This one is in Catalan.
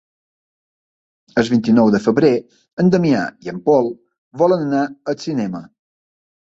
El vint-i-nou de febrer en Damià i en Pol volen anar al cinema.